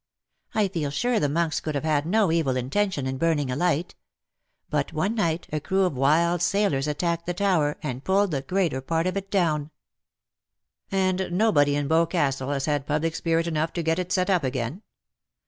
I feel sure the monks could have had no evil intention in burning a light; but one night a crew of wild sailors attacked the tower^ and pulled the greater part of it down." " And nobody in Boscastle has had public spirit enough to get it set up again.